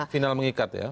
final mengikat ya